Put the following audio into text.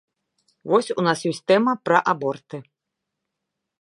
Вось у нас ёсць тэма пра аборты.